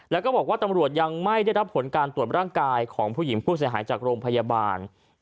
แล้วก็บอกว่าตำรวจยังไม่ได้รับผลการตรวจร่างกายของผู้หญิงผู้เสียหายจากโรงพยาบาล